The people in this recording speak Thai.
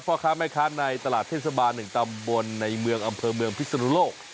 พ่อค้าแม่ค้าในตลาดเทศบาล๑ตำบลในเมืองอำเภอเมืองพิศนุโลก